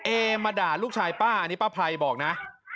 เอมาด่าลูกชายป้าอันนี้ป้าไพรบอกนะ